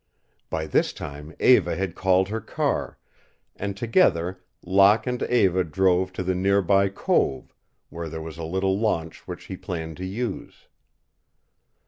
By this time Eva had called her car, and together Locke and Eva drove to the near by cove, where there was a little launch which he planned to use.